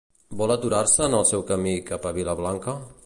Vol aturar-se en el seu camí cap a Vilablanca?